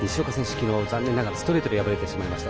昨日残念ながらストレートで敗れてしまいました。